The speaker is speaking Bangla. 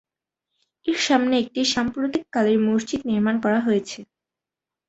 এর সামনে একটি সাম্প্রতিককালের মসজিদ নির্মাণ করা হয়েছে।